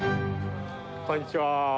こんにちは。